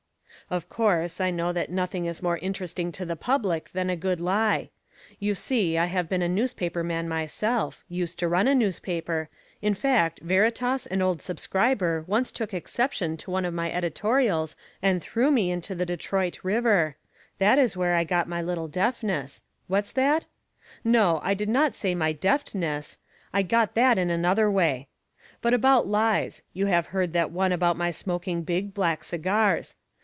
Of course, I know that nothing is more interesting to the public than a good lie. You see, I have been a newspaperman myself used to run a newspaper in fact, Veritas and Old Subscriber once took exception to one of my editorials and threw me into the Detroit River that is where I got my little deafness what's that? No, I did not say my deftness I got that in another way. But about lies, you have heard that one about my smoking big, black cigars!